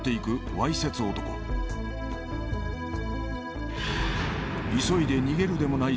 わいせつ男急いで逃げるでもない